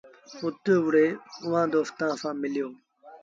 اُتوري اُئآݩ دوستآݩ سآݩ مليو۔